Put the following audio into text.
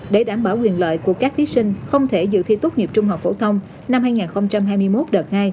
để đảm bảo quyền lợi của các thí sinh không thể dự thi tốt nghiệp trung học phổ thông năm hai nghìn hai mươi một đợt hai